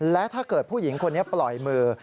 และถ้าเกิดผู้หญิงคนนี้ปล่อยมือ